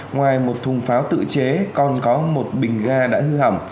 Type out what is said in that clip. ngoài một thùng pháo tự chế còn có một bình ga đã hư hỏng